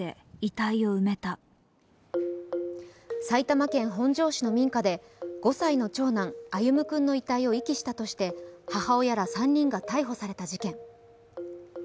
埼玉県本庄市の民家で５歳の長男・歩夢君の遺体を遺棄したとして母親ら３人が逮捕された事件。